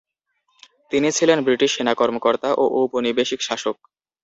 তিনি ছিলেন ব্রিটিশ সেনা কর্মকর্তা ও ঔপনিবেশিক শাসক।